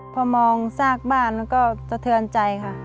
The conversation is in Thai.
พอมองซากบ้านก็แท้สะเทิญใจค่ะ